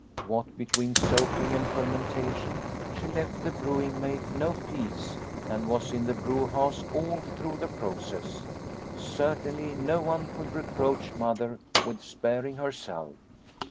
What between soaking and fermentation she left the Snow White 65 brewing maid no peace and was in the brew house all through the process. Certainly no one could reproach Mother with sparing her self.